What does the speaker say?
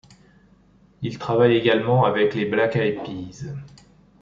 Il travaille également avec les Black Eyed Peas.